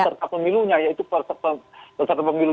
serta pemilunya yaitu perserta pemilu dua ribu empat